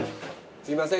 すいません